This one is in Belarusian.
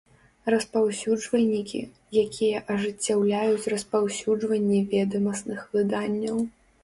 Распаўсюджвальнiкi, якiя ажыццяўляюць распаўсюджванне ведамасных выданняў.